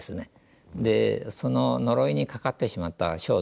その呪いにかかってしまった少女がですね